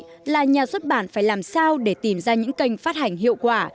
vấn đề còn lại là nhà xuất bản phải làm sao để tìm ra những kênh phát hành hiệu quả